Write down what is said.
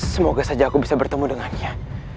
semoga saja aku bisa bertemu dengannya